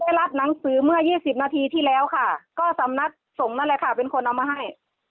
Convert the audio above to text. รับหนังสือเมื่อ๒๐นาทีที่แล้วค่ะก็สำนักสงฆ์นั่นแหละค่ะเป็นคนเอามาให้